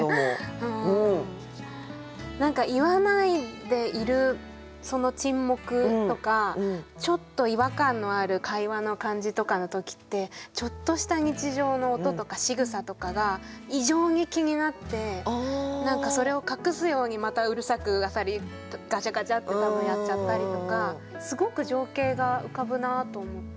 何か言わないでいるその沈黙とかちょっと違和感のある会話の感じとかの時ってちょっとした日常の音とかしぐさとかが異常に気になって何かそれを隠すようにまたうるさくあさりガチャガチャって多分やっちゃったりとかすごく情景が浮かぶなと思って。